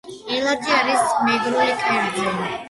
ელარჯი არის ემგრული კერძი